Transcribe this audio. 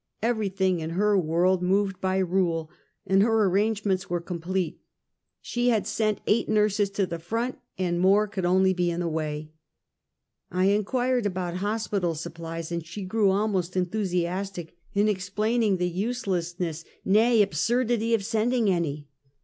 Everything in her world moved by rule, and her arrangements were com plete. She had sent eight nurses to the front, and more could only be in the way, I inquired about hospital supplies, and she grew al most enthusiastic in explaining the, uselessness, nay, absurdity, of sending any.